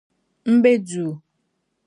M be duu.